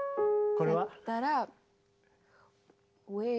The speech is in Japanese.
これは？だったら。